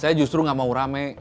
saya justru nggak mau rame